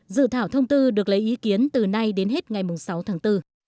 dự thảo thông tư được lấy ý kiến từ nay đến hết ngày sáu tháng bốn